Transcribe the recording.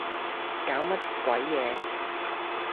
搞乜鬼嘢